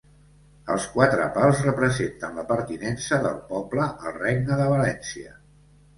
Els quatre pals representen la pertinença del poble al Regne de València.